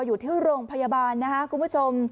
อยู่ที่โรงพยาบาลนะครับคุณผู้ชม